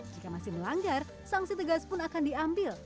jika masih melanggar sanksi tegas pun akan diambil